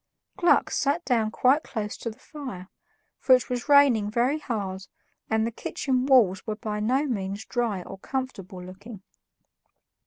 Gluck sat down quite close to the fire, for it was raining very hard and the kitchen walls were by no means dry or comfortable looking.